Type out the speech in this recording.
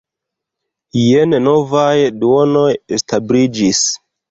Jen novaj duonoj establiĝis.